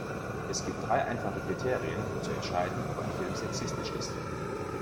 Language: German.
Es gibt drei einfache Kriterien, um zu entscheiden, ob ein Film sexistisch ist.